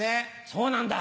そうなんだ。